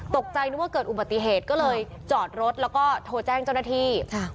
นึกว่าเกิดอุบัติเหตุก็เลยจอดรถแล้วก็โทรแจ้งเจ้าหน้าที่